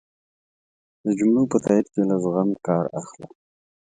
د جملو په تایېد کی له زغم کار اخله